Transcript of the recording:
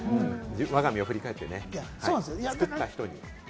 我が身を振り返ってね、作った人に。